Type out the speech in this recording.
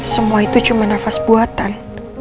semua itu cuma nafas buatan